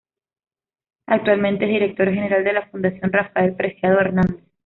Actualmente es Director General de la Fundación Rafael Preciado Hernández.